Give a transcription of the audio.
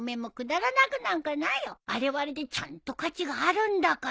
あれはあれでちゃんと価値があるんだから。